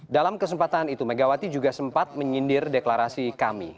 dalam kesempatan itu megawati juga sempat menyindir deklarasi kami